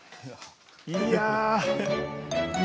いや。